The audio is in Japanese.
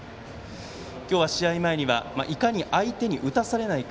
今日は試合前にはいかに相手に打たされないか。